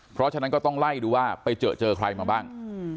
เพราะฉะนั้นก็ต้องไล่ดูว่าไปเจอเจอใครมาบ้าง